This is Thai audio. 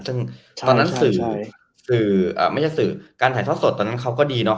ซึ่งตอนนั้นสื่อสื่อไม่ใช่สื่อการถ่ายทอดสดตอนนั้นเขาก็ดีเนาะ